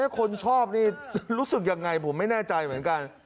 คนชอบนี่รู้สึกยังไงผมไม่แน่ใจเหมือนกัน